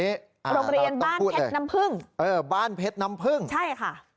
โรงเรียนบ้านเพชรน้ำผึ้งใช่ค่ะต้องพูดเลย